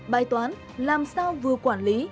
bài toán làm sao vừa quản lý